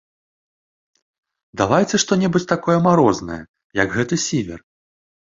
Давайце што-небудзь такое марознае, як гэты сівер.